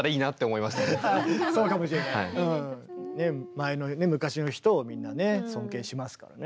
前のね昔の人をみんなね尊敬しますからね。